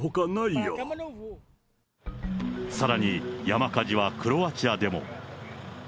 さらに、山火事はクロアチアでも。